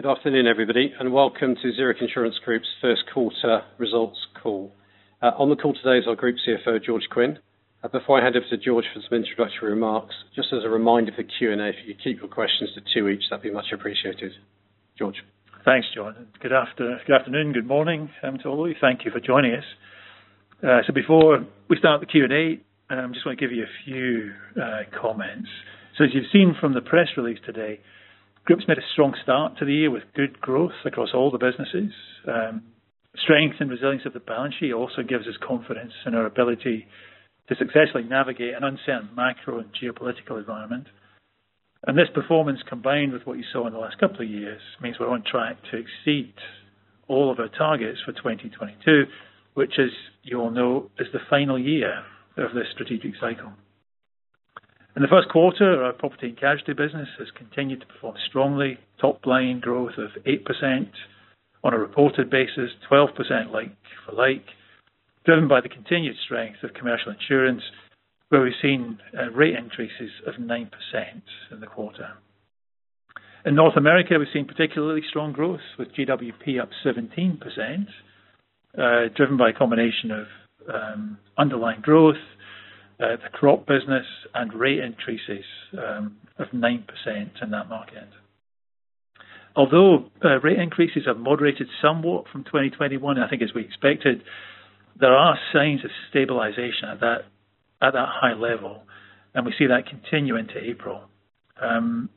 Good afternoon, everybody, and welcome to Zurich Insurance Group's Q1 results call. On the call today is our Group CFO, George Quinn. Before I hand over to George for some introductory remarks, just as a reminder for Q&A, if you'd keep your questions to two each, that'd be much appreciated. George. Thanks, Jon. Good afternoon, good morning to all of you. Thank you for joining us. Before we start the Q&A, just wanna give you a few comments. As you've seen from the press release today, Group's made a strong start to the year with good growth across all the businesses. Strength and resilience of the balance sheet also gives us confidence in our ability to successfully navigate an uncertain macro and geopolitical environment. This performance, combined with what you saw in the last couple of years, means we're on track to exceed all of our targets for 2022, which as you all know, is the final year of this strategic cycle. In the first quarter, our property and casualty business has continued to perform strongly. Topline growth of 8% on a reported basis, 12% like for like, driven by the continued strength of commercial insurance, where we've seen rate increases of 9% in the quarter. In North America, we've seen particularly strong growth with GWP up 17%, driven by a combination of underlying growth, the crop business, and rate increases of 9% in that market. Although rate increases have moderated somewhat from 2021, and I think as we expected, there are signs of stabilization at that high level, and we see that continue into April.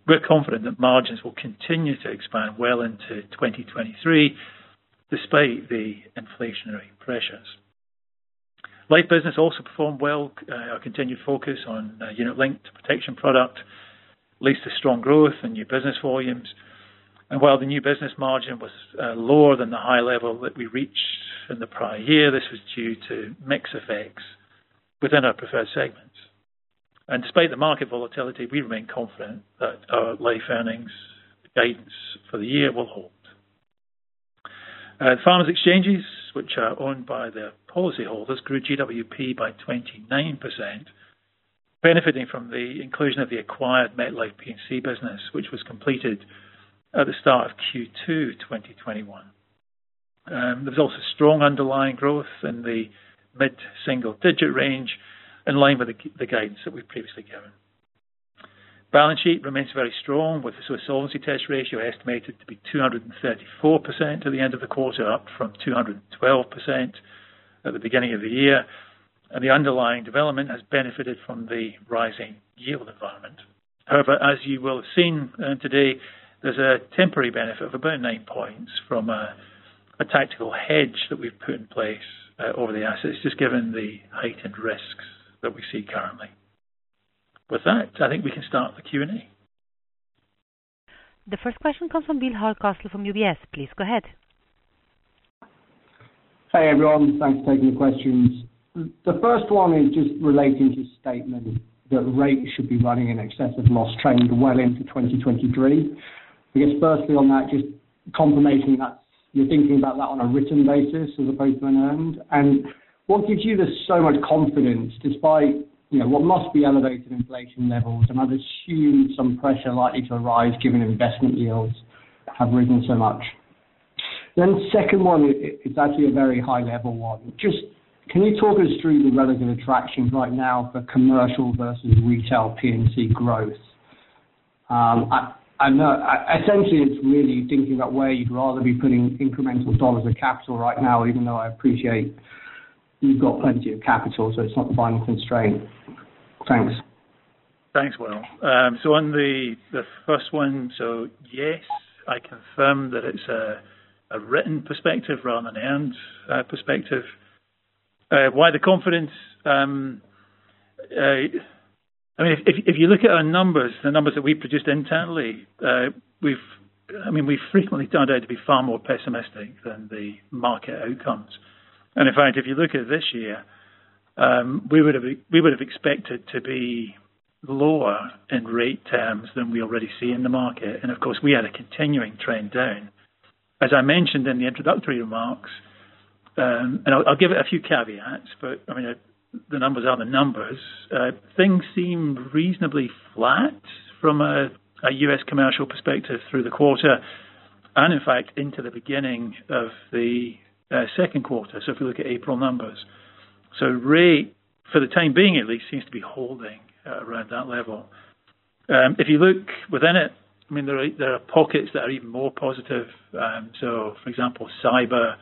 We're confident that margins will continue to expand well into 2023 despite the inflationary pressures. Life business also performed well. Our continued focus on unit-linked protection product leads to strong growth in new business volumes. While the new business margin was lower than the high level that we reached in the prior year, this was due to mix effects within our preferred segments. Despite the market volatility, we remain confident that our life earnings guidance for the year will hold. Farmers Exchanges, which are owned by their policyholders, grew GWP by 29%, benefiting from the inclusion of the acquired MetLife P&C business, which was completed at the start of Q2 2021. There's also strong underlying growth in the mid-single digit range in line with the guidance that we've previously given. Balance sheet remains very strong with the solvency test ratio estimated to be 234% at the end of the quarter, up from 212% at the beginning of the year. The underlying development has benefited from the rising yield environment. However, as you will have seen, today, there's a temporary benefit of about nine points from a tactical hedge that we've put in place over the assets, just given the heightened risks that we see currently. With that, I think we can start the Q&A. The first question comes from Will Hardcastle from UBS. Please go ahead. Hey, everyone. Thanks for taking the questions. The first one is just relating to the statement that rates should be running in excess of loss trend well into 2023. I guess firstly on that, just confirming that you're thinking about that on a written basis as opposed to an earned? And what gives you so much confidence despite, you know, what must be elevated inflation levels and I'd assume some pressure likely to arise given investment yields have risen so much? The second one is actually a very high level one. Just can you talk us through the relative attractions right now for commercial versus retail P&C growth? I know. Essentially, it's really thinking about where you'd rather be putting incremental dollars of capital right now, even though I appreciate you've got plenty of capital, so it's not the final constraint. Thanks. Thanks, Will. So on the first one, yes, I confirm that it's a written perspective rather than earned perspective. Why the confidence? I mean, if you look at our numbers, the numbers that we produced internally, we've frequently turned out to be far more pessimistic than the market outcomes. In fact, if you look at this year, we would have expected to be lower in rate terms than we already see in the market. Of course, we had a continuing trend down. As I mentioned in the introductory remarks, I'll give it a few caveats, but I mean, the numbers are the numbers. Things seem reasonably flat from a U.S. commercial perspective through the quarter, and in fact, into the beginning of the Q2. If you look at April numbers. Rate, for the time being at least, seems to be holding around that level. If you look within it, I mean, there are pockets that are even more positive. For example, cyber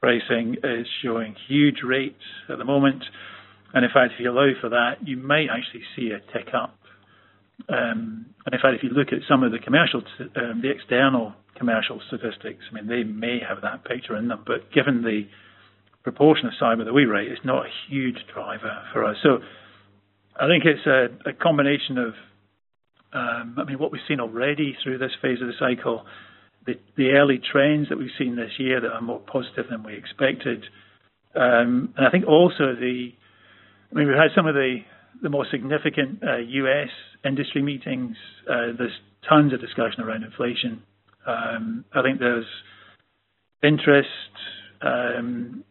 pricing is showing huge rates at the moment. In fact, if you allow for that, you may actually see a tick up. In fact, if you look at some of the external commercial statistics, I mean, they may have that picture in them. Given the proportion of cyber that we rate, it's not a huge driver for us. I think it's a combination of I mean, what we've seen already through this phase of the cycle, the early trends that we've seen this year that are more positive than we expected. I think also, I mean, we've had some of the more significant U.S. industry meetings. There's tons of discussion around inflation. I think there's interest, some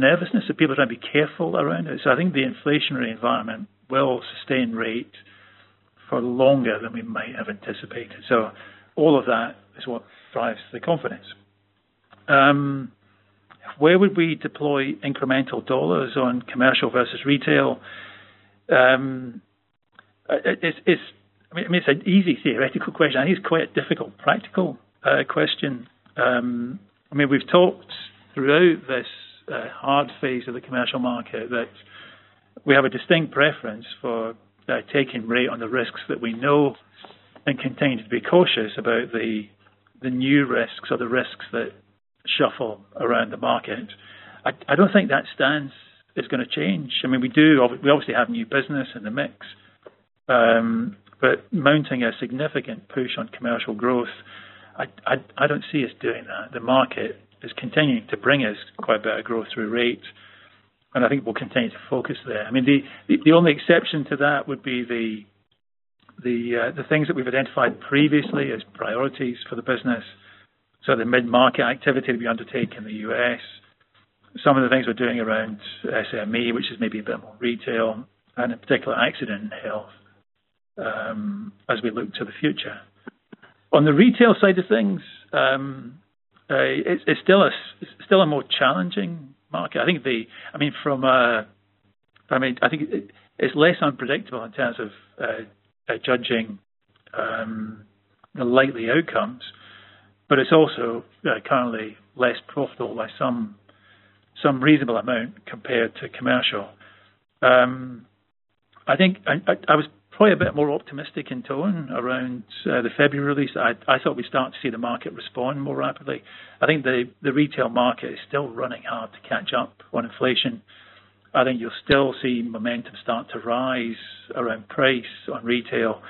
nervousness that people try to be careful around it. I think the inflationary environment will sustain rate for longer than we might have anticipated. All of that is what drives the confidence. Where would we deploy incremental dollars on commercial versus retail? I mean, it's an easy theoretical question and it's quite difficult practical question. I mean, we've talked throughout this hard phase of the commercial market that we have a distinct preference for taking rate on the risks that we know and continue to be cautious about the new risks or the risks that shuffle around the market. I don't think that stance is gonna change. I mean, we obviously have new business in the mix. Mounting a significant push on commercial growth, I don't see us doing that. The market is continuing to bring us quite a bit of growth through rate, and I think we'll continue to focus there. I mean, the only exception to that would be the things that we've identified previously as priorities for the business. The mid-market activity we undertake in the U.S, some of the things we're doing around SME, which is maybe a bit more retail and in particular Accident and Health, as we look to the future. On the retail side of things, it's still a more challenging market. I think. I mean, from a, I mean, I think it's less unpredictable in terms of judging the likely outcomes, but it's also, you know, currently less profitable by some reasonable amount compared to commercial. I think I was probably a bit more optimistic in tone around the February release. I thought we start to see the market respond more rapidly. I think the retail market is still running hard to catch up on inflation. I think you'll still see momentum start to rise around price on retail.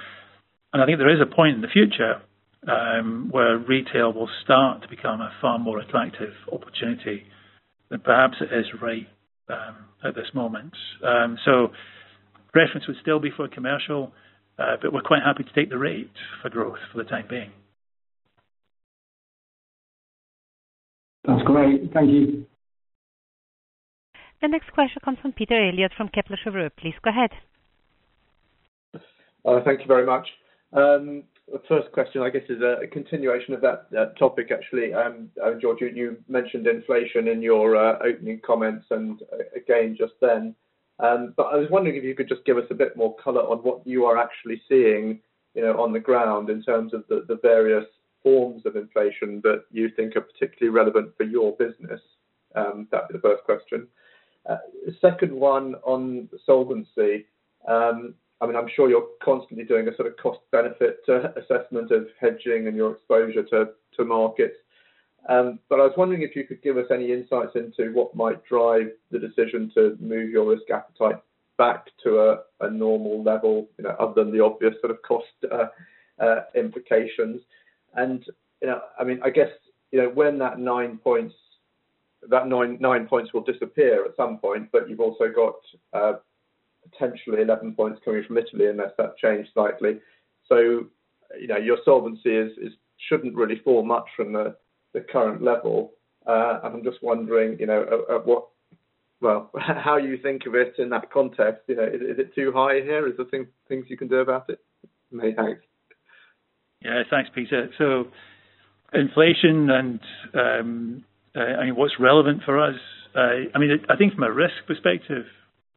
I think there is a point in the future where retail will start to become a far more attractive opportunity than perhaps it is right at this moment. Reference would still be for commercial, but we're quite happy to take the rate for growth for the time being. That's great. Thank you. The next question comes from Peter Eliot from Kepler Cheuvreux. Please go ahead. Thank you very much. The first question, I guess, is a continuation of that topic actually. George, you mentioned inflation in your opening comments and again just then. I was wondering if you could just give us a bit more color on what you are actually seeing, you know, on the ground in terms of the various forms of inflation that you think are particularly relevant for your business. That's the first question. Second one on solvency. I mean, I'm sure you're constantly doing a sort of cost-benefit assessment of hedging and your exposure to markets. I was wondering if you could give us any insights into what might drive the decision to move your risk appetite back to a normal level, you know, other than the obvious sort of cost implications. You know, I mean, I guess, you know, when that nine points will disappear at some point, but you've also got potentially 11 points coming from Italy unless that changed slightly. You know, your solvency shouldn't really fall much from the current level. I'm just wondering, you know, how you think of it in that context, you know. Is it too high here? Is there things you can do about it? Mate, thanks. Yeah. Thanks, Peter. Inflation and, I mean, what's relevant for us. I mean, I think from a risk perspective,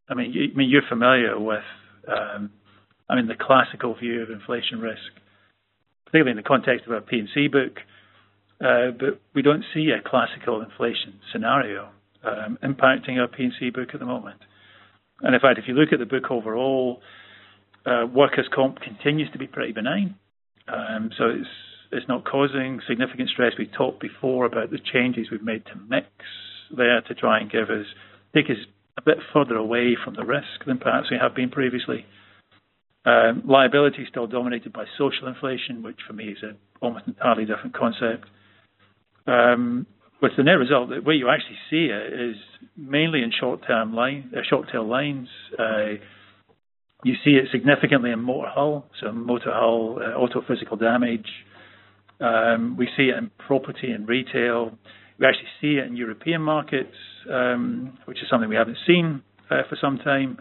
I mean, you're familiar with, I mean, the classical view of inflation risk, clearly in the context of our P&C book. We don't see a classical inflation scenario impacting our P&C book at the moment. In fact, if you look at the book overall, workers' comp continues to be pretty benign. It's not causing significant stress. We talked before about the changes we've made to mix there to try and take us a bit further away from the risk than perhaps we have been previously. Liability is still dominated by social inflation, which for me is an almost entirely different concept. With the net result that where you actually see it is mainly in short tail lines. You see it significantly in motor hull, so auto physical damage. We see it in property and retail. We actually see it in European markets, which is something we haven't seen for some time.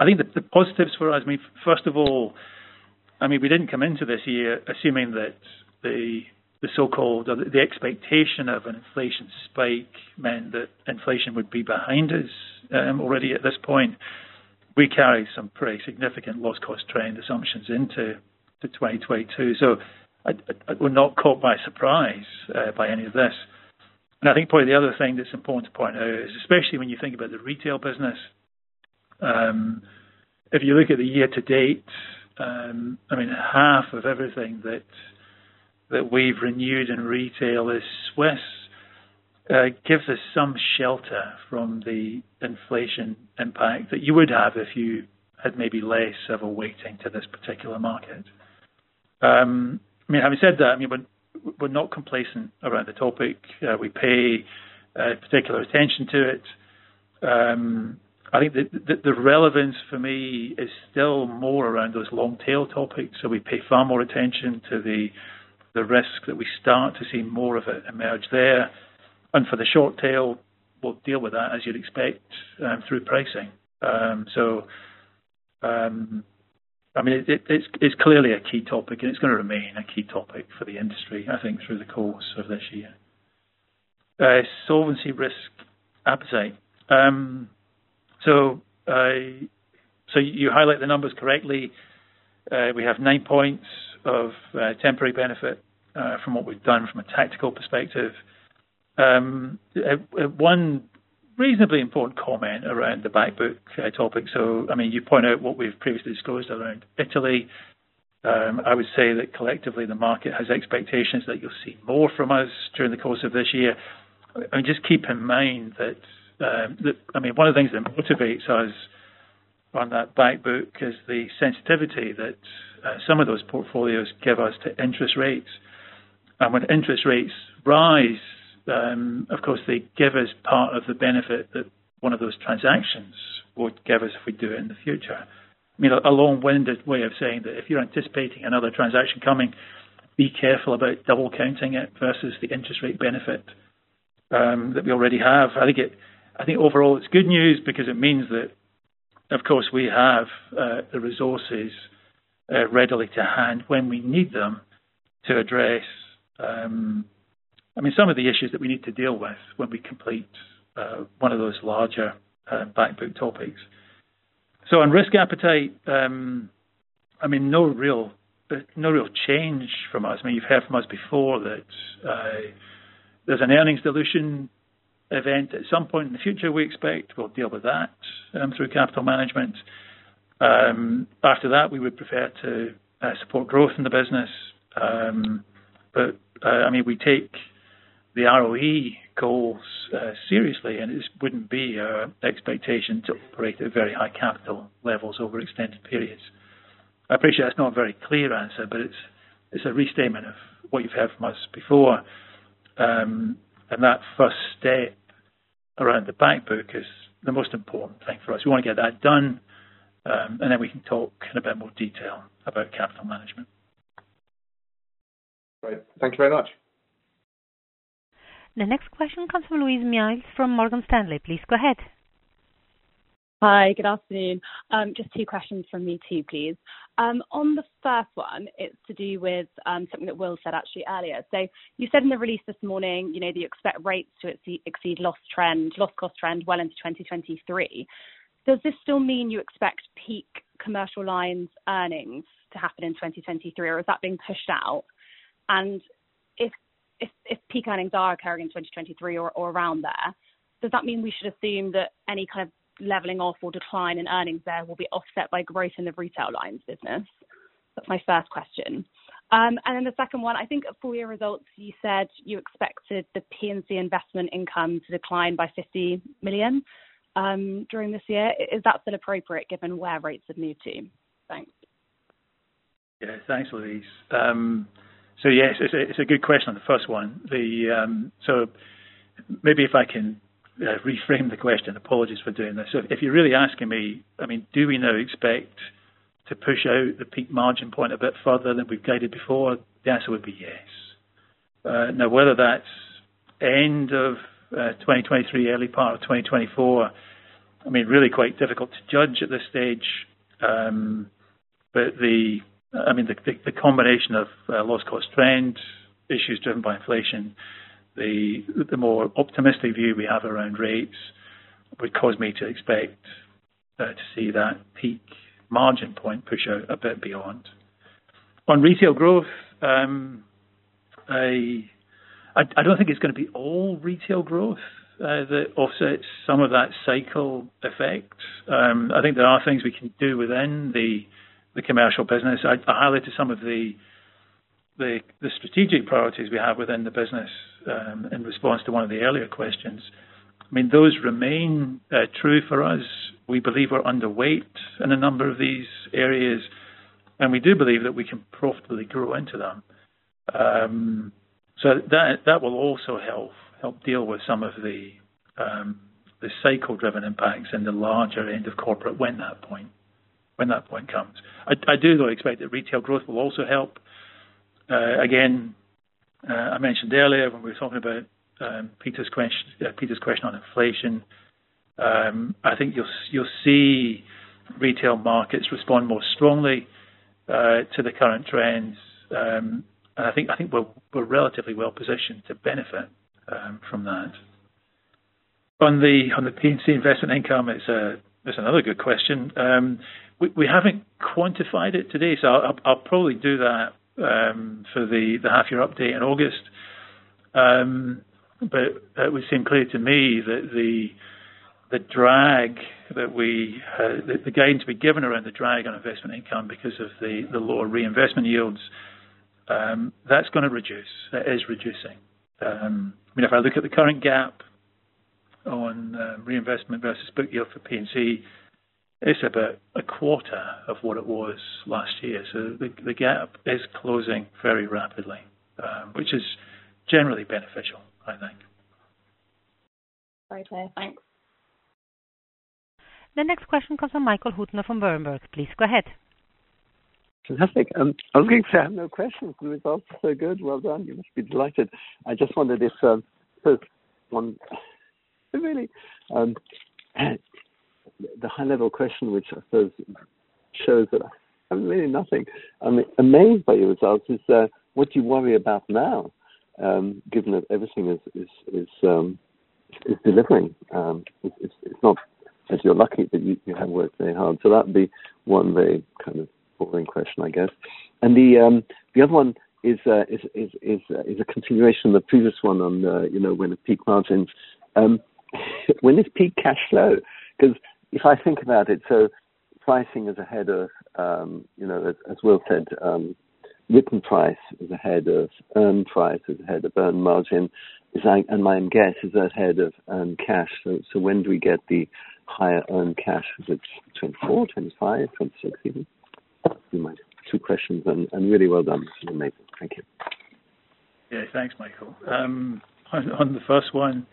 I think the positives for us, I mean, first of all, I mean, we didn't come into this year assuming that the so-called or the expectation of an inflation spike meant that inflation would be behind us already at this point. We carry some pretty significant loss cost trend assumptions into 2022. So we're not caught by surprise by any of this. I think probably the other thing that's important to point out is, especially when you think about the retail business, I mean, half of everything that we've renewed in retail is Swiss. It gives us some shelter from the inflation impact that you would have if you had maybe less of a weighting to this particular market. I mean, having said that, I mean, we're not complacent around the topic. We pay particular attention to it. I think the relevance for me is still more around those long tail topics. We pay far more attention to the risks that we start to see more of it emerge there. For the short tail, we'll deal with that as you'd expect, through pricing. I mean, it's clearly a key topic, and it's gonna remain a key topic for the industry, I think, through the course of this year. Solvency risk appetite. You highlight the numbers correctly. We have nine points of temporary benefit from what we've done from a tactical perspective. One reasonably important comment around the back book topic. I mean, you point out what we've previously disclosed around Italy. I would say that collectively, the market has expectations that you'll see more from us during the course of this year. I mean, just keep in mind that I mean, one of the things that motivates us on that back book is the sensitivity that some of those portfolios give us to interest rates. When interest rates rise, of course, they give us part of the benefit that one of those transactions would give us if we do it in the future. I mean, a long-winded way of saying that if you're anticipating another transaction coming, be careful about double counting it versus the interest rate benefit that we already have. I think overall it's good news because it means that, of course, we have the resources readily to hand when we need them to address, I mean, some of the issues that we need to deal with when we complete one of those larger back book topics. On risk appetite, I mean, no real change from us. I mean, you've heard from us before that, there's an earnings dilution event at some point in the future, we expect. We'll deal with that through capital management. After that, we would prefer to support growth in the business. I mean, we take the ROE goals seriously, and it just wouldn't be our expectation to operate at very high capital levels over extended periods. I appreciate that's not a very clear answer, but it's a restatement of what you've heard from us before. That first step around the back book is the most important thing for us. We wanna get that done, and then we can talk in a bit more detail about capital management. Great. Thank you very much. The next question comes from Louise Miles from Morgan Stanley. Please go ahead. Hi. Good afternoon. Just two questions from me too, please. On the first one, it's to do with something that Will said actually earlier. You said in the release this morning, you know, that you expect rates to exceed loss cost trend well into 2023. Does this still mean you expect peak commercial lines earnings to happen in 2023, or has that been pushed out? If peak earnings are occurring in 2023 or around there, does that mean we should assume that any kind of leveling off or decline in earnings there will be offset by growth in the retail lines business? That's my first question. The second one, I think full year results, you said you expected the P&C investment income to decline by 50 million during this year. Is that still appropriate given where rates have moved to? Thanks. Yeah. Thanks, Louise. Yes, it's a good question on the first one. Maybe if I can reframe the question. Apologies for doing this. If you're really asking me, I mean, do we now expect to push out the peak margin point a bit further than we've guided before? The answer would be yes. Now whether that's end of 2023, early part of 2024, I mean, really quite difficult to judge at this stage. I mean, the combination of loss cost trend issues driven by inflation, the more optimistic view we have around rates would cause me to expect to see that peak margin point push out a bit beyond. On retail growth, I don't think it's gonna be all retail growth that offsets some of that cycle effect. I think there are things we can do within the commercial business. I highlighted some of the strategic priorities we have within the business in response to one of the earlier questions. I mean, those remain true for us. We believe we're underweight in a number of these areas, and we do believe that we can profitably grow into them. That will also help deal with some of the cycle driven impacts in the larger end of corporate when that point comes. I do though expect that retail growth will also help. Again, I mentioned earlier when we were talking about Peter Eliot's question on inflation. I think you'll see retail markets respond more strongly to the current trends. I think we're relatively well positioned to benefit from that. On the P&C investment income, it's another good question. We haven't quantified it today, so I'll probably do that for the half year update in August. It would seem clear to me that the drag, the gain to be given around the drag on investment income because of the lower reinvestment yields, that's gonna reduce. That is reducing. I mean, if I look at the current gap on reinvestment versus book yield for P&C. It's about a quarter of what it was last year. The gap is closing very rapidly, which is generally beneficial, I think. Great. Thanks. The next question comes from Michael Huttner from Berenberg. Please go ahead. Fantastic. I was going to say I have no questions. The results are so good. Well done. You must be delighted. I just wondered if one really the high level question, which I suppose shows that I have really nothing. I'm amazed by your results, is what do you worry about now given that everything is delivering. It's not as you're lucky that you have worked very hard. That would be one very kind of boring question, I guess. The other one is a continuation of the previous one on you know when it peak margin. When does peak cash flow? Cause if I think about it, pricing is ahead of, you know, as Will said, written price is ahead of earned price, is ahead of earned margin. Is that, and my guess is that ahead of earned cash. When do we get the higher earned cash? Is it 2024, 2025, 2026 even? Two questions and really well done. Amazing. Thank you. Yeah. Thanks, Michael. On the first one,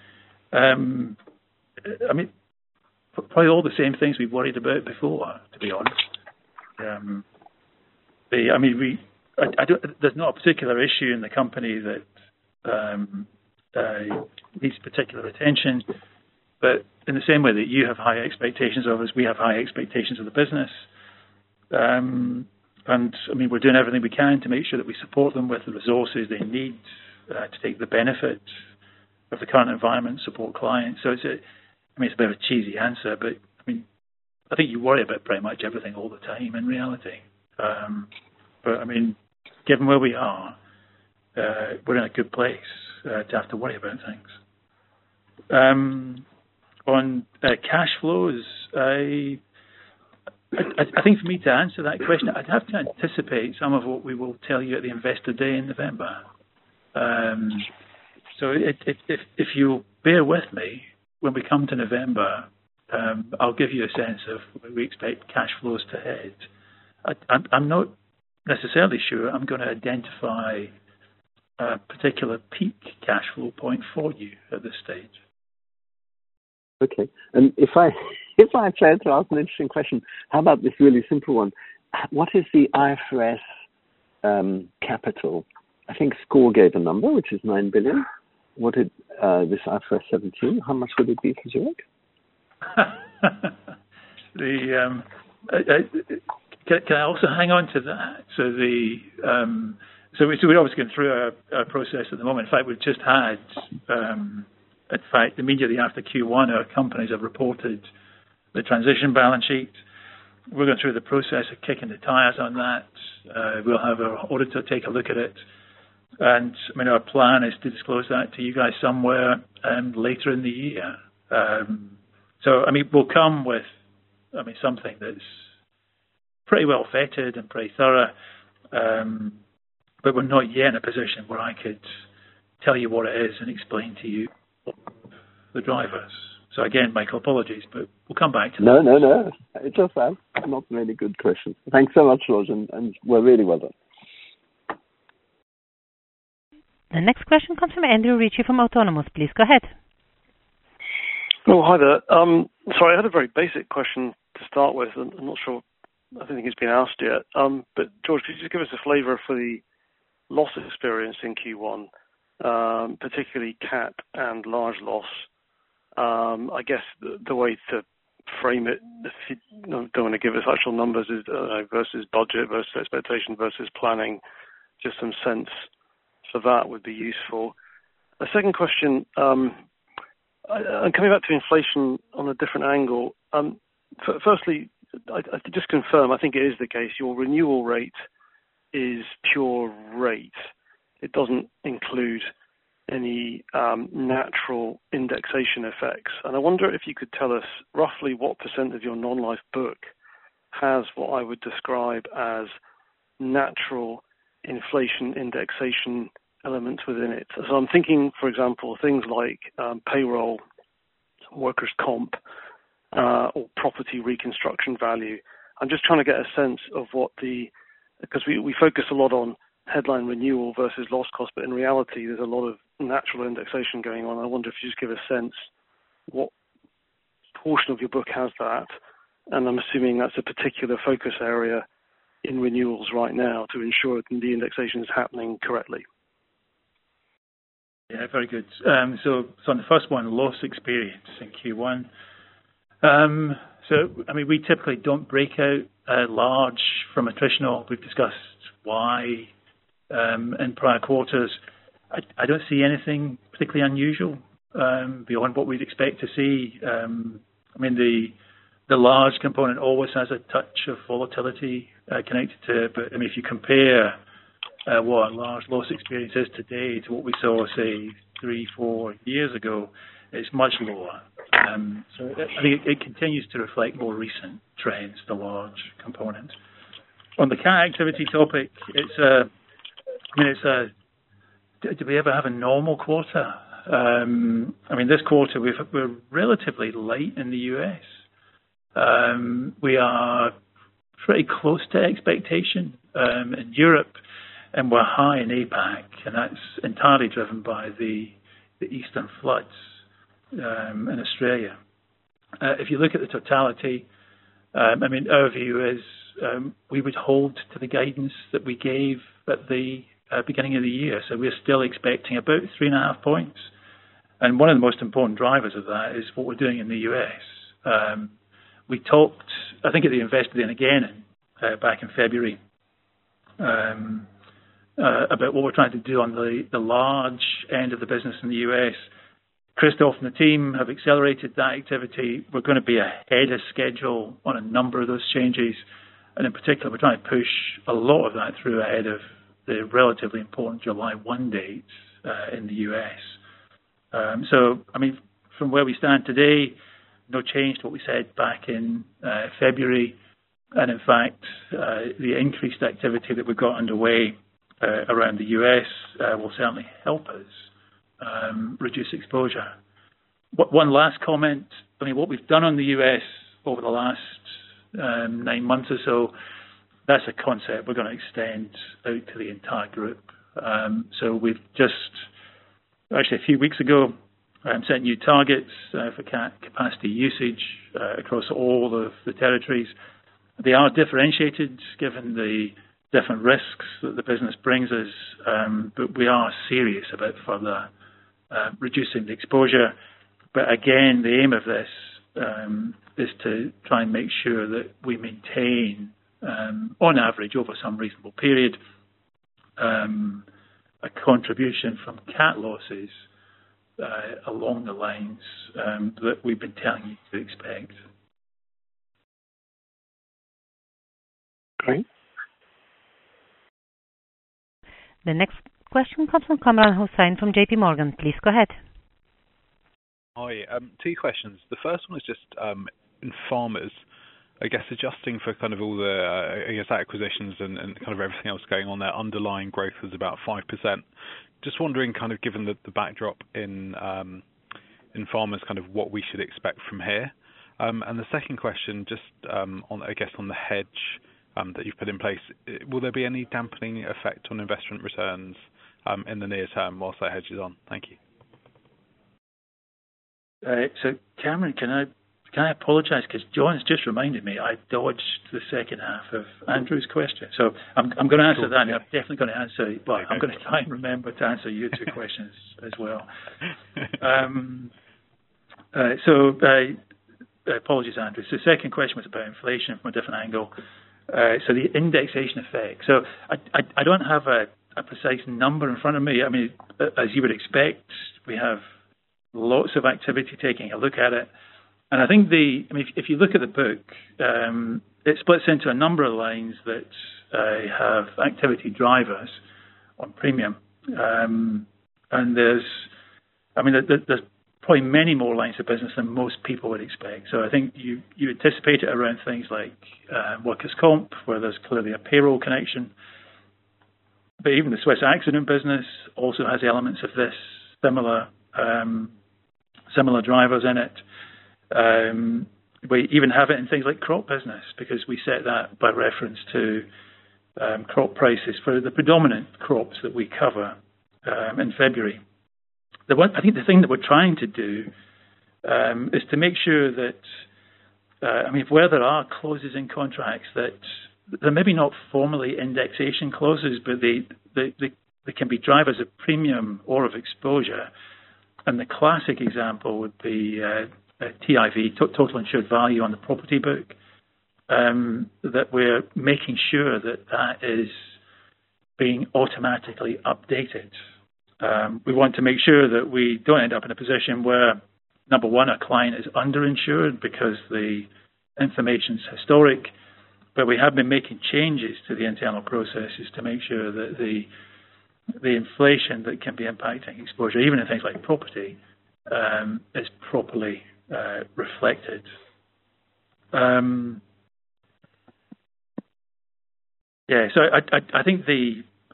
I mean, probably all the same things we worried about before, to be honest. There's not a particular issue in the company that needs particular attention. In the same way that you have high expectations of us, we have high expectations of the business. I mean, we're doing everything we can to make sure that we support them with the resources they need to take the benefit of the current environment, support clients. It's a bit of a cheesy answer, but I mean, I think you worry about pretty much everything all the time in reality. I mean, given where we are, we're in a good place to have to worry about things. On cash flows, I think for me to answer that question, I'd have to anticipate some of what we will tell you at the Investor Day in November. If you bear with me when we come to November, I'll give you a sense of where we expect cash flows to head. I'm not necessarily sure I'm gonna identify a particular peak cash flow point for you at this stage. Okay. If I try to ask an interesting question, how about this really simple one? What is the IFRS capital? I think scor gave a number, which is 9 billion. This IFRS 17, how much would it be for Zurich? Can I also hang on to that? We're obviously going through our process at the moment. In fact, we've just had, in fact, immediately after Q1, our companies have reported the transition balance sheet. We're going through the process of kicking the tires on that. We'll have our auditor take a look at it. I mean, our plan is to disclose that to you guys somewhere later in the year. I mean, we'll come with, I mean, something that's pretty well vetted and pretty thorough, but we're not yet in a position where I could tell you what it is and explain to you the drivers. Again, Michael, apologies, but we'll come back to that. No, no. It's all right. Not many good questions. Thanks so much, George, and really well done. The next question comes from Andrew Ritchie from Autonomous. Please go ahead. Oh, hi there. Sorry. I had a very basic question to start with. I'm not sure. I don't think it's been asked yet. But George, could you just give us a flavor for the losses experienced in Q1, particularly CAT and large loss? I guess the way to frame it, if you don't wanna give us actual numbers is versus budget, versus expectation, versus planning. Just some sense. That would be useful. The second question, coming back to inflation on a different angle. Firstly, I just confirm, I think it is the case, your renewal rate is pure rate. It doesn't include any natural indexation effects. I wonder if you could tell us roughly what % of your non-life book has what I would describe as natural inflation indexation elements within it. I'm thinking, for example, things like payroll, workers' comp, or property reconstruction value. I'm just trying to get a sense of what. Cause we focus a lot on headline renewal versus loss cost, but in reality, there's a lot of natural indexation going on. I wonder if you just give a sense what portion of your book has that, and I'm assuming that's a particular focus area in renewals right now to ensure the indexation is happening correctly. Yeah, very good. On the first one, loss experience in Q1. I mean, we typically don't break out large from attritional. We've discussed why in prior quarters. I don't see anything particularly unusual beyond what we'd expect to see. I mean, the large component always has a touch of volatility connected to it. I mean, if you compare what our large loss experience is today to what we saw, say, three or four years ago, it's much lower. It continues to reflect more recent trends, the large component. On the CAT activity topic, I mean, do we ever have a normal quarter? I mean, this quarter we're relatively light in the U.S. We are pretty close to expectation in Europe, and we're high in APAC, and that's entirely driven by the eastern floods in Australia. If you look at the totality, I mean, our view is, we would hold to the guidance that we gave at the beginning of the year. We're still expecting about 3.5 points. One of the most important drivers of that is what we're doing in the US. We talked, I think at the Investor Day, and again, back in February, about what we're trying to do on the large end of the business in the US. Christoph and the team have accelerated that activity. We're gonna be ahead of schedule on a number of those changes. In particular, we're trying to push a lot of that through ahead of the relatively important July 1 dates in the U.S. I mean, from where we stand today, no change to what we said back in February. In fact, the increased activity that we've got underway around the U.S. will certainly help us reduce exposure. One last comment. I mean, what we've done on the U.S. over the last nine months or so, that's a concept we're gonna extend out to the entire group. We've just actually a few weeks ago set new targets for capacity usage across all of the territories. They are differentiated given the different risks that the business brings us. We are serious about further reducing the exposure. The aim of this is to try and make sure that we maintain, on average over some reasonable period, a contribution from CAT losses along the lines that we've been telling you to expect. Great. The next question comes from Kamran Hossain from JP Morgan. Please go ahead. Hi. Two questions. The first one is just in Farmers. I guess adjusting for kind of all the, I guess, acquisitions and kind of everything else going on there, underlying growth is about 5%. Just wondering, kind of given the backdrop in Farmers, kind of what we should expect from here. And the second question, just on, I guess, on the hedge that you've put in place. Will there be any dampening effect on investment returns in the near term while that hedge is on? Thank you. Kamran, can I apologize? Cause Jon's just reminded me, I dodged the H2 of Andrew's question. I'm gonna answer that. Sure. Yeah. I'm definitely gonna answer. Okay. I'm gonna try and remember to answer your two questions as well. Apologies, Andrew. Second question was about inflation from a different angle. The indexation effect. I don't have a precise number in front of me. I mean, as you would expect, we have lots of activity taking a look at it. I think, I mean, if you look at the book, it splits into a number of lines that have activity drivers on premium. I mean, there's probably many more lines of business than most people would expect. I think you anticipate it around things like workers' comp, where there's clearly a payroll connection, but even the Swiss accident business also has elements of this similar drivers in it. We even have it in things like crop business because we set that by reference to crop prices for the predominant crops that we cover in February. I think the thing that we're trying to do is to make sure that, I mean, where there are clauses in contracts that they're maybe not formally indexation clauses, but they can be drivers of premium or of exposure. The classic example would be TIV, Total Insured Value on the property book, that we're making sure that that is being automatically updated. We want to make sure that we don't end up in a position where, number one, a client is underinsured because the information's historic. We have been making changes to the internal processes to make sure that the inflation that can be impacting exposure, even in things like property, is properly reflected. I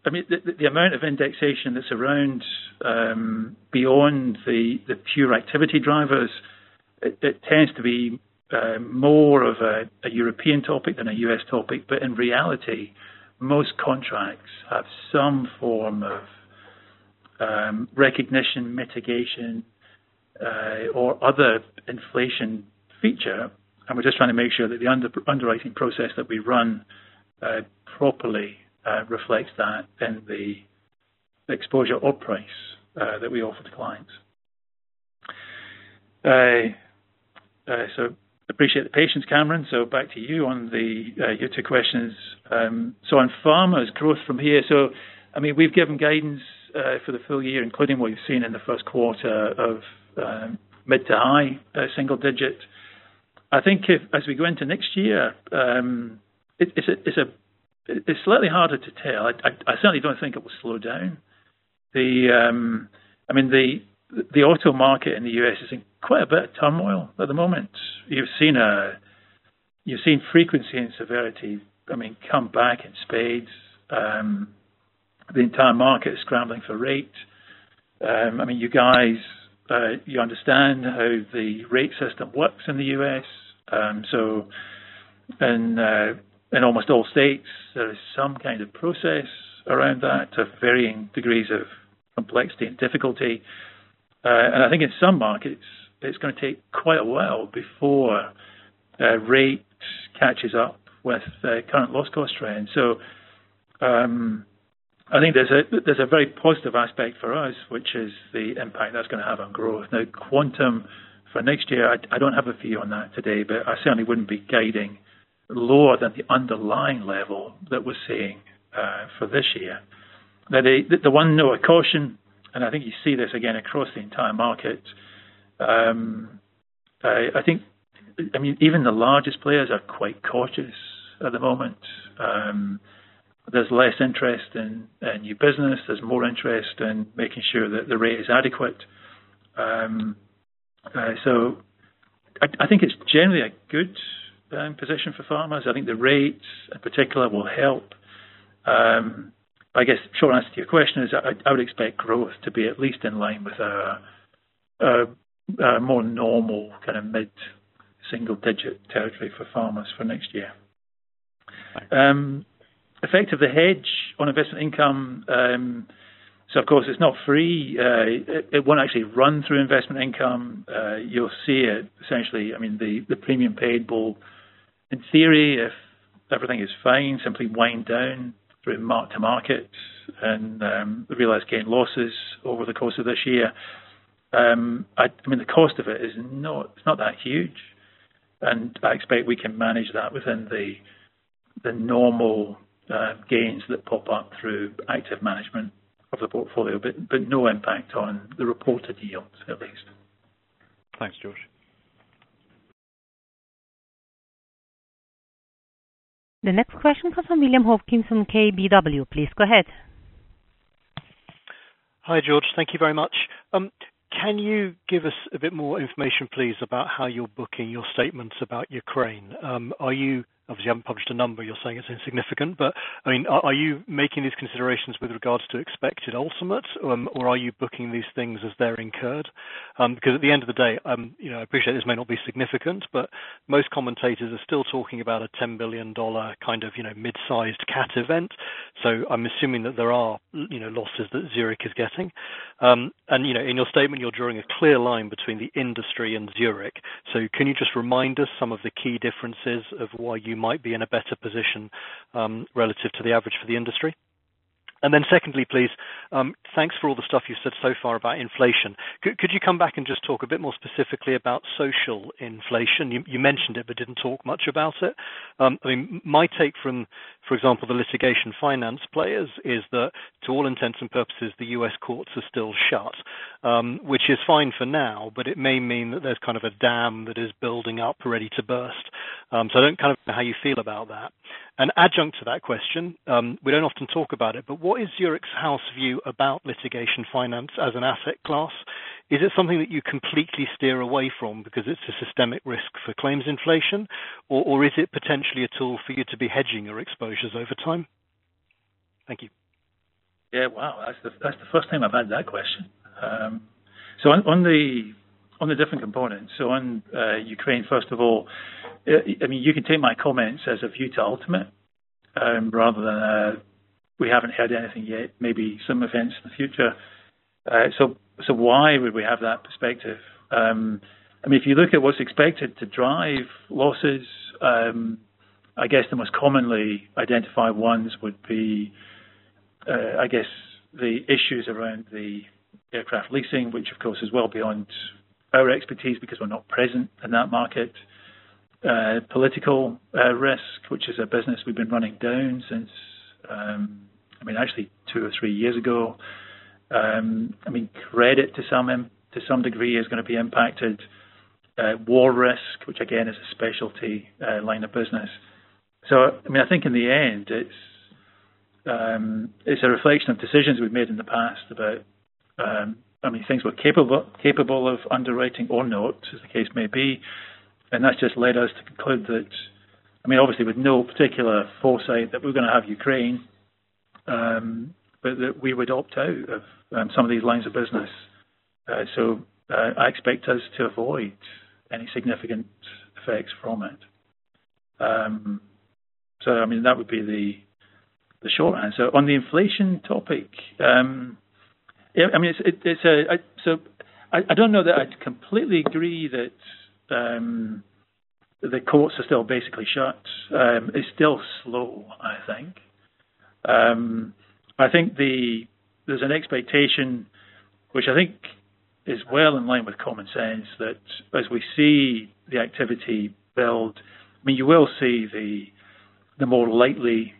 mean, the amount of indexation that's around, beyond the pure activity drivers, it tends to be more of a European topic than a US topic. In reality, most contracts have some form of recognition, mitigation, or other inflation feature. We're just trying to make sure that the underwriting process that we run properly reflects that in the exposure or price that we offer to clients. Appreciate the patience, Kamran. Back to you on your two questions. On Farmers growth from here. I mean, we've given guidance for the full year, including what you've seen in the first quarter of mid- to high-single-digit. I think as we go into next year, it's a bit harder to tell. I certainly don't think it will slow down. I mean, the auto market in the U.S. is in quite a bit of turmoil at the moment. You've seen frequency and severity, I mean, come back in spades. The entire market is scrambling for rate. I mean, you guys, you understand how the rate system works in the U.S. In almost all states, there is some kind of process around that to varying degrees of complexity and difficulty. I think in some markets, it's gonna take quite a while before rate catches up with the current loss cost trend. I think there's a very positive aspect for us, which is the impact that's gonna have on growth. Quantum for next year, I don't have a view on that today, but I certainly wouldn't be guiding lower than the underlying level that we're seeing for this year. The one note of caution, and I think you see this again across the entire market. I mean, even the largest players are quite cautious at the moment. There's less interest in new business. There's more interest in making sure that the rate is adequate. I think it's generally a good position for Farmers. I think the rates, in particular, will help. I guess short answer to your question is I would expect growth to be at least in line with a more normal kind of mid-single digit territory for Farmers for next year. Right. Effect of the hedge on investment income. Of course it's not free. It won't actually run through investment income. You'll see it essentially. I mean, the premium paid will, in theory, if everything is fine, simply wind down through mark-to-market and the realized gain losses over the course of this year. I mean, the cost of it is not, it's not that huge, and I expect we can manage that within the normal gains that pop up through active management of the portfolio, but no impact on the reported yields, at least. Thanks, George. The next question comes from William Hawkins from KBW. Please go ahead. Hi, George. Thank you very much. Can you give us a bit more information, please, about how you're booking your statements about Ukraine? Are you obviously you haven't published a number. You're saying it's insignificant, but I mean, are you making these considerations with regards to expected ultimate or are you booking these things as they're incurred? Cause at the end of the day, you know, I appreciate this may not be significant, but most commentators are still talking about a $10 billion kind of, you know, mid-sized CAT event. So I'm assuming that there are, you know, losses that Zurich is getting. You know, in your statement you're drawing a clear line between the industry and Zurich. Can you just remind us some of the key differences of why you might be in a better position relative to the average for the industry? Then secondly, please, thanks for all the stuff you've said so far about inflation. Could you come back and just talk a bit more specifically about social inflation? You mentioned it but didn't talk much about it. I mean, my take from, for example, the litigation finance players is that to all intents and purposes the U.S. courts are still shut. Which is fine for now, but it may mean that there's kind of a dam that is building up ready to burst. I don't, kind of, know how you feel about that. An adjunct to that question, we don't often talk about it, but what is Zurich's house view about litigation finance as an asset class? Is it something that you completely steer away from because it's a systemic risk for claims inflation? Or is it potentially a tool for you to be hedging your exposures over time? Thank you. Yeah. Wow. That's the first time I've had that question. So on the different components, on Ukraine, first of all, I mean, you can take my comments as a view to ultimate, rather than a, we haven't heard anything yet, maybe some events in the future. Why would we have that perspective? I mean, if you look at what's expected to drive losses, I guess the most commonly identified ones would be, I guess the issues around the aircraft leasing, which of course is well beyond our expertise because we're not present in that market. Political risk, which is a business we've been running down since, I mean, actually two or three years ago. I mean, credit to some degree is gonna be impacted. War risk, which again is a specialty line of business. I mean, I think in the end, it's a reflection of decisions we've made in the past about how many things we're capable of underwriting or not, as the case may be. That's just led us to conclude that, I mean, obviously with no particular foresight that we're gonna have Ukraine, but that we would opt out of some of these lines of business. I expect us to avoid any significant effects from it. I mean, that would be the short answer. On the inflation topic, yeah, I mean, it's a, I don't know that I'd completely agree that the courts are still basically shut. It's still slow, I think. I think the, There's an expectation, which I think is well in line with common sense, that as we see the activity build, I mean, you will see the more likely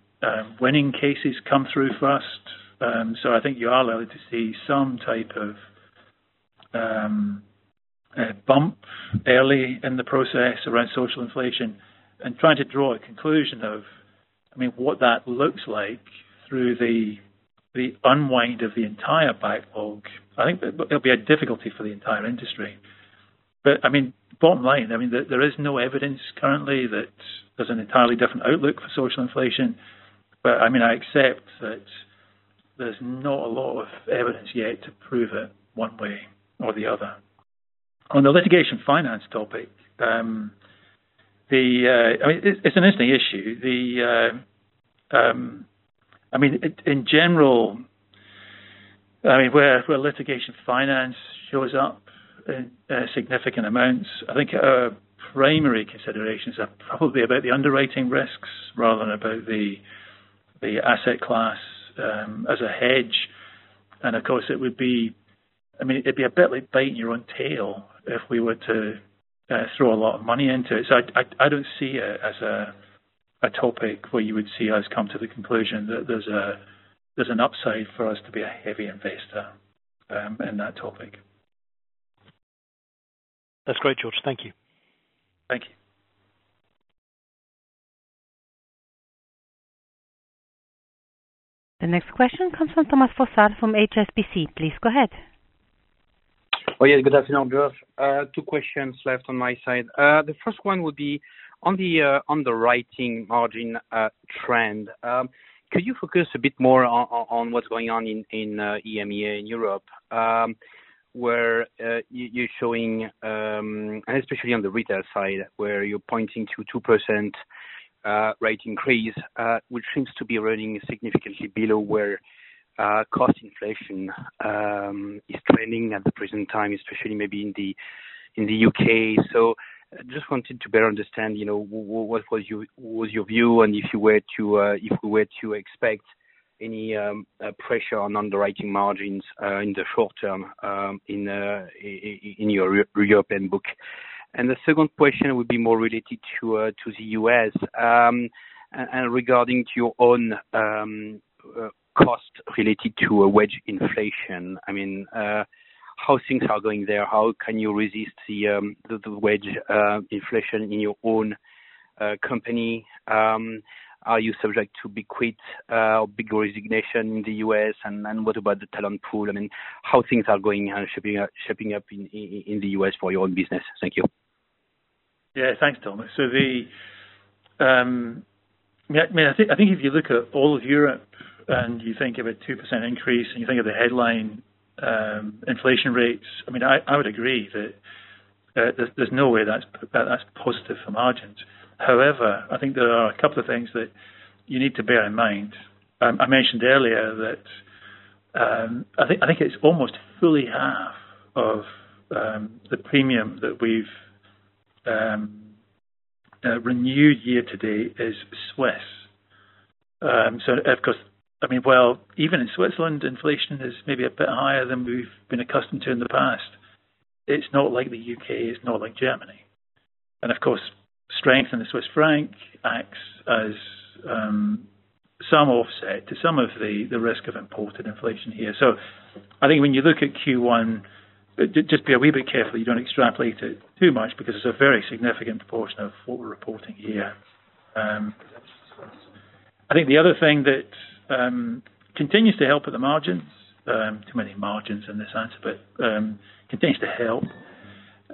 winning cases come through first. I think you are likely to see some type of bump early in the process around social inflation. Trying to draw a conclusion of what that looks like through the unwind of the entire backlog. I think that there'll be a difficulty for the entire industry. Bottom line, I mean, there is no evidence currently that there's an entirely different outlook for social inflation. I mean, I accept that there's not a lot of evidence yet to prove it one way or the other. On the litigation finance topic, I mean, it's an interesting issue.I mean, in general, I mean, where litigation finance shows up in significant amounts, I think our primary considerations are probably about the underwriting risks rather than about the asset class as a hedge. Of course, I mean, it'd be a bit like biting your own tail if we were to throw a lot of money into it. I don't see it as a topic where you would see us come to the conclusion that there's an upside for us to be a heavy investor in that topic. That's great, George. Thank you. Thank you. The next question comes from Thomas Fossard from HSBC. Please go ahead. Oh, yeah. Good afternoon, George. Two questions left on my side. The first one would be on the underwriting margin trend. Could you focus a bit more on what's going on in EMEA in Europe, where you are showing, and especially on the retail side, where you are pointing to 2% rate increase, which seems to be running significantly below where cost inflation is trending at the present time, especially maybe in the UK. Just wanted to better understand, you know, what was your view, and if you were to expect any pressure on underwriting margins in the short term, in your European book. The second question would be more related to the U.S., and regarding to your own cost related to a wage inflation. I mean, how things are going there, how can you resist the wage inflation in your own company? Are you subject to the Great Resignation in the U.S., and what about the talent pool? I mean, how things are going and shaping up in the U.S. for your own business? Thank you. Yeah. Thanks, Thomas. I mean, I think if you look at all of Europe and you think of a 2% increase and you think of the headline inflation rates, I mean, I would agree that there's no way that's positive for margins. However, I think there are a couple of things that you need to bear in mind. I mentioned earlier that I think it's almost fully half of the premium that we've renewed year to date is Swiss. So of course, I mean, while even in Switzerland, inflation is maybe a bit higher than we've been accustomed to in the past. It's not like the U.K, it's not like Germany. Of course, strength in the Swiss franc acts as some offset to some of the risk of imported inflation here. I think when you look at Q1, just be a wee bit careful you don't extrapolate it too much because it's a very significant portion of what we're reporting here. I think the other thing that continues to help at the margins, too many margins in this answer, but, continues to help,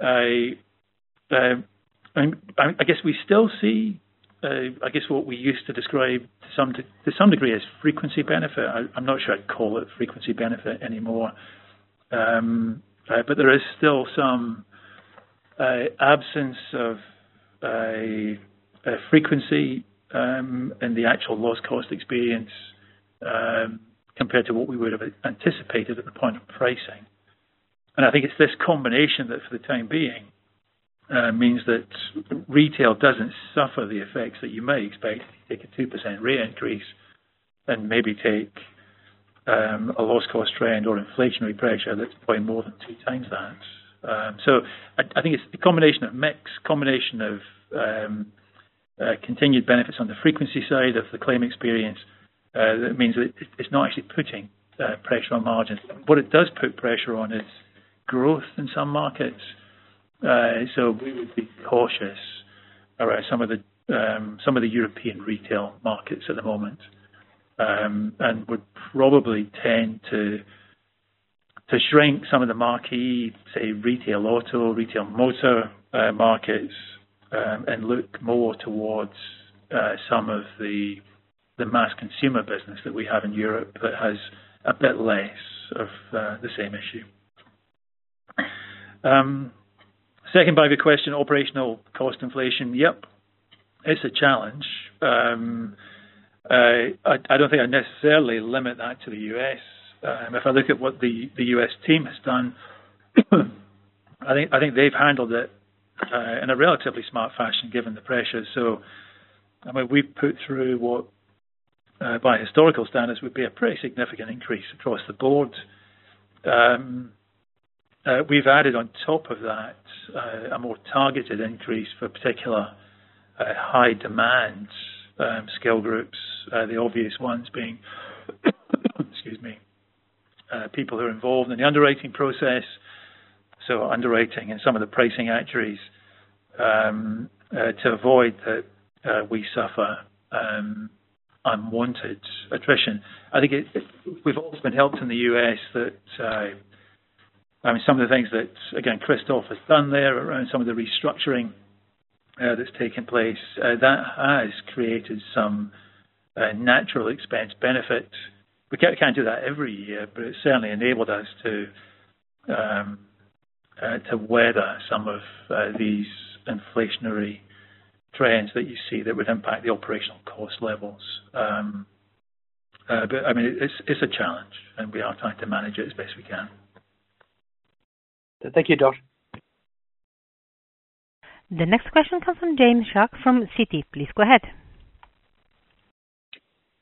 I guess we still see, I guess what we used to describe to some degree as frequency benefit. I'm not sure I'd call it frequency benefit anymore. But there is still some absence of a frequency in the actual loss cost experience, compared to what we would have anticipated at the point of pricing. I think it's this combination that for the time being means that retail doesn't suffer the effects that you may expect if you take a 2% rate increase and maybe take a loss cost trend or inflationary pressure that's probably more than two times that. I think it's the combination of mix and continued benefits on the frequency side of the claim experience that means that it's not actually putting pressure on margins. What it does put pressure on is growth in some markets. We would be cautious around some of the European retail markets at the moment. Would probably tend to shrink some of the marquee, say, retail auto, retail motor, markets, and look more towards some of the mass consumer business that we have in Europe that has a bit less of the same issue. Second part of your question, operational cost inflation. Yep. It's a challenge. I don't think I necessarily limit that to the US. If I look at what the US team has done, I think they've handled it in a relatively smart fashion, given the pressure. I mean, we've put through what, by historical standards would be a pretty significant increase across the board. We've added on top of that a more targeted increase for particular high demand skill groups, the obvious ones being. Excuse me. People who are involved in the underwriting process, so underwriting and some of the pricing actuaries, to avoid that, we suffer unwanted attrition. I think we've also been helped in the U.S. that, I mean, some of the things that, again, Christoph has done there around some of the restructuring, that's taken place, that has created some natural expense benefit. We can't do that every year, but it's certainly enabled us to weather some of these inflationary trends that you see that would impact the operational cost levels. I mean, it's a challenge and we are trying to manage it as best we can. Thank you, George. The next question comes from James Shuck from Citi. Please go ahead.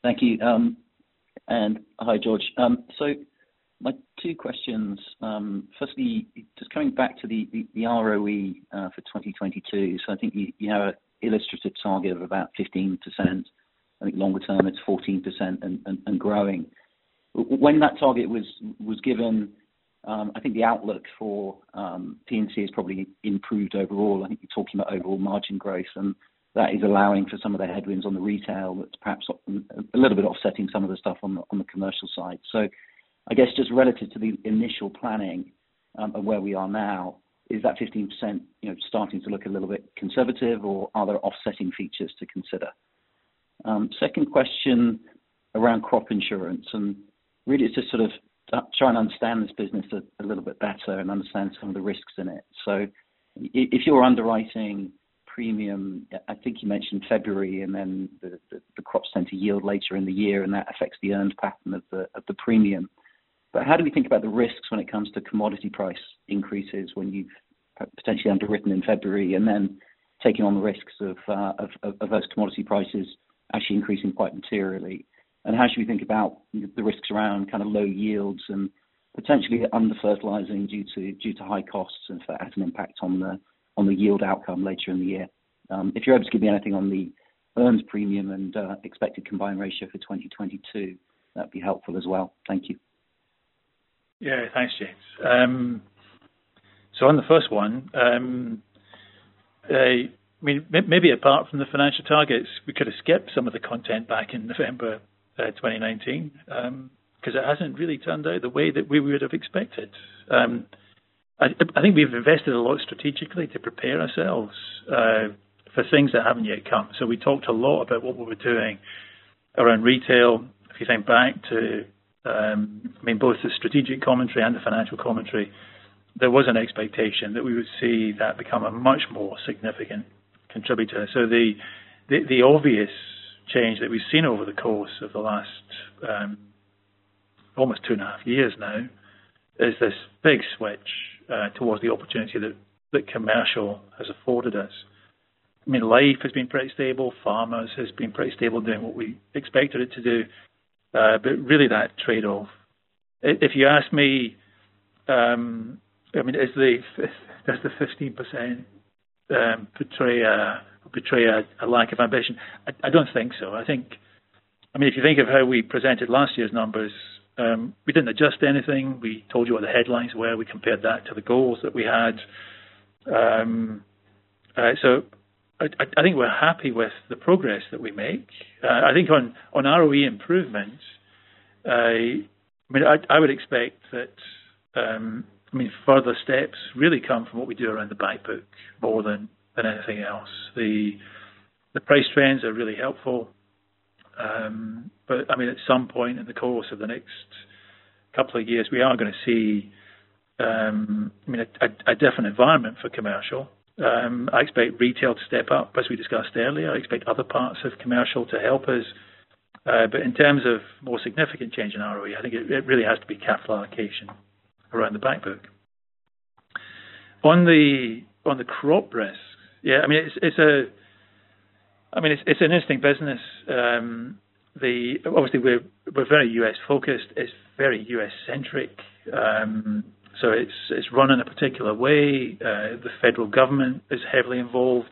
Thank you. Hi, George. My two questions, firstly, just coming back to the ROE for 2022. I think you have an illustrated target of about 15%. I think longer term it's 14% and growing. When that target was given, I think the outlook for P&C has probably improved overall. I think you're talking about overall margin growth, and that is allowing for some of the headwinds on the retail that's perhaps a little bit offsetting some of the stuff on the commercial side. I guess just relative to the initial planning of where we are now, is that 15% you know starting to look a little bit conservative or are there offsetting features to consider? Second question around crop insurance, and really it's just sort of trying to understand this business a little bit better and understand some of the risks in it. If you are underwriting premium, I think you mentioned February and then the crop center yield later in the year, and that affects the earned pattern of the premium. How do we think about the risks when it comes to commodity price increases when you've potentially underwritten in February and then taking on the risks of those commodity prices actually increasing quite materially? How should we think about the risks around kind of low yields and potentially under fertilizing due to high costs and, as an impact on the yield outcome later in the year? If you're able to give me anything on the earned premium and expected combined ratio for 2022, that'd be helpful as well. Thank you. Yeah. Thanks, James. On the first one, I mean, maybe apart from the financial targets, we could have skipped some of the content back in November 2019, cause it hasn't really turned out the way that we would've expected. I think we've invested a lot strategically to prepare ourselves, for things that haven't yet come. We talked a lot about what we were doing around retail. If you think back to, I mean, both the strategic commentary and the financial commentary, there was an expectation that we would see that become a much more significant contributor. The obvious change that we've seen over the course of the last, almost two and a half years now, is this big switch, towards the opportunity that commercial has afforded us. I mean, Life has been pretty stable. Farmers has been pretty stable doing what we expected it to do. Really that trade off. If you ask me, I mean, does the 15% portray a lack of ambition? I don't think so. I think. I mean, if you think of how we presented last year's numbers, we didn't adjust anything. We told you what the headlines were. We compared that to the goals that we had. I think we're happy with the progress that we make. I think on ROE improvements, I mean, I would expect that, I mean, further steps really come from what we do around the back book more than anything else. The price trends are really helpful. I mean, at some point in the course of the next couple of years, we are gonna see, I mean, a different environment for commercial. I expect retail to step up as we discussed earlier. I expect other parts of commercial to help us. In terms of more significant change in ROE, I think it really has to be capital allocation around the back book. On the crop risks. Yeah, I mean, it's an interesting business. Obviously, we're very U.S. focused. It's very U.S. centric. It's run in a particular way. The federal government is heavily involved.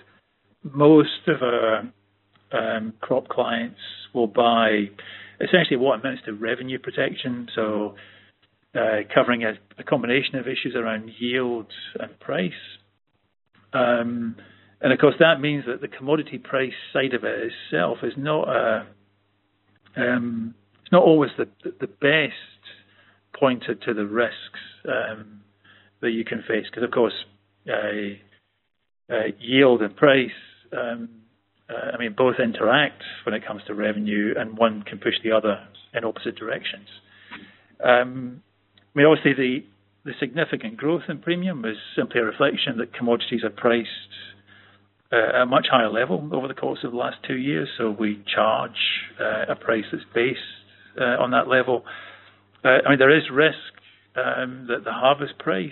Most of our crop clients will buy essentially what amounts to Revenue Protection. Covering a combination of issues around yield and price. Of course that means that the commodity price side of it itself is not always the best pointer to the risks that you can face. Because, of course, yield and price, I mean both interact when it comes to revenue and one can push the other in opposite directions. I mean, obviously the significant growth in premium is simply a reflection that commodities are priced at a much higher level over the course of the last two years. We charge a price that's based on that level. I mean, there is risk that the harvest price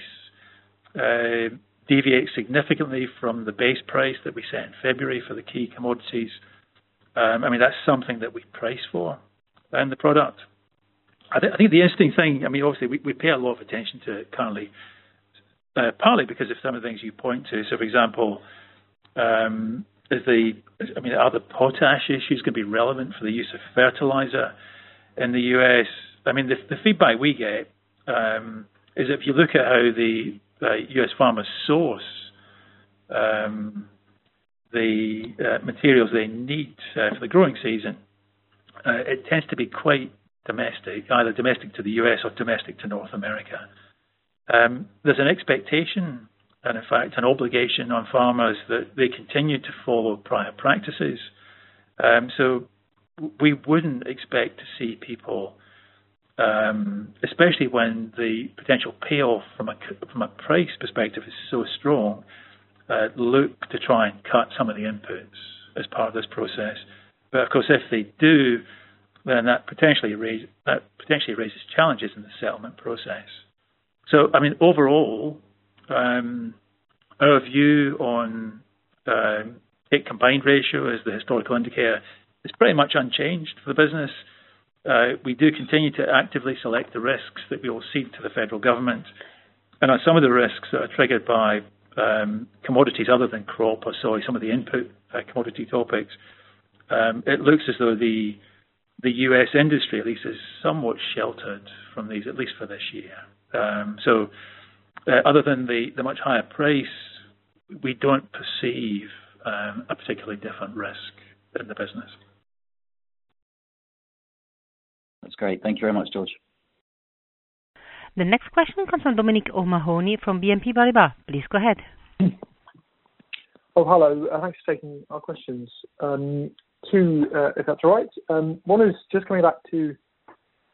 deviates significantly from the base price that we set in February for the key commodities. I mean, that's something that we price for in the product. I think the interesting thing, I mean, obviously we pay a lot of attention to it currently. Partly because of some of the things you point to. For example, I mean, are the potash issues gonna be relevant for the use of fertilizer in the U.S.? I mean, the feedback we get is if you look at how the U.S. farmers source the materials they need for the growing season, it tends to be quite domestic. Either domestic to the U.S. or domestic to North America. There's an expectation, and in fact, an obligation on farmers that they continue to follow prior practices. We wouldn't expect to see people, especially when the potential payoff from a price perspective is so strong, look to try and cut some of the inputs as part of this process. Of course, if they do, then that potentially raises challenges in the settlement process. Overall, I mean, our view on combined ratio as the historical indicator is pretty much unchanged for the business. We do continue to actively select the risks that we will cede to the federal government. On some of the risks that are triggered by commodities other than crop or sorry, some of the input commodity topics, it looks as though the U.S. industry at least is somewhat sheltered from these, at least for this year. Other than the much higher price, we don't perceive a particularly different risk in the business. That's great. Thank you very much, George. The next question comes from Dominic O'Mahony from BNP Paribas. Please go ahead. Oh, hello. Thanks for taking our questions. Two, if that's all right. One is just coming back to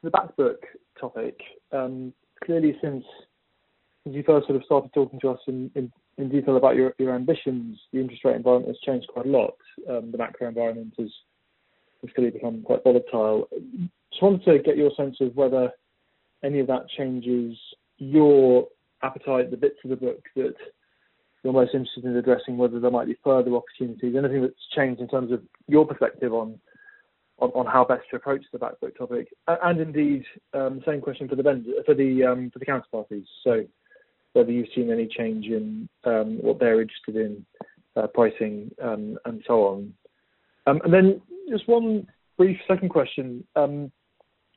the back book topic. Clearly, since you first sort of started talking to us in detail about your ambitions, the interest rate environment has changed quite a lot. The macro environment has clearly become quite volatile. Just wanted to get your sense of whether any of that changes your appetite, the bits of the book that you're most interested in addressing, whether there might be further opportunities. Anything that's changed in terms of your perspective on how best to approach the back book topic. And indeed, same question for the counterparties. Whether you've seen any change in what they're interested in, pricing, and so on. Just one brief second question.